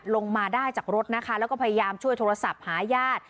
ลงมาได้จากรถนะคะแล้วก็พยายามช่วยโทรศัพท์หาญาติ